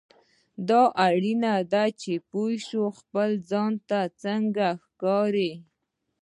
دا اړینه ده چې پوه شې خپل ځان ته څنګه ښکارې.